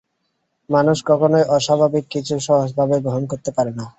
মানুষ কখনোই অস্বাভাবিক কিছু সহজভাবে গ্রহণ করতে পারে না।